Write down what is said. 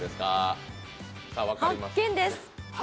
発見です。